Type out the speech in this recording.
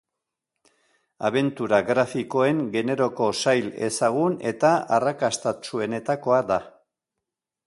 Abentura grafikoen generoko sail ezagun eta arrakastatsuenetakoa da.